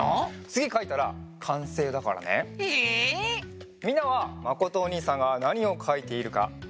つぎかいたらかんせいだからね。え！？みんなはまことおにいさんがなにをかいているかわかるかな？